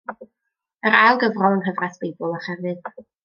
Yr ail gyfrol yng Nghyfres Beibl a Chrefydd.